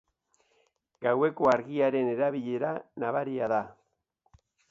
Gaueko argiaren erabilera nabaria da.